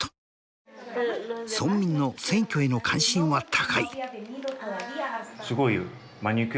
村民の選挙への関心は高い。